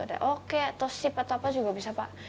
ada oke atau ship atau apa juga bisa pak